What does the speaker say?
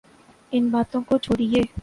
ان باتوں کو چھوڑئیے۔